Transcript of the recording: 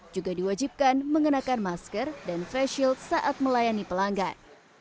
juga diwajibkan mengenakan masker dan face shield saat melayani pelanggan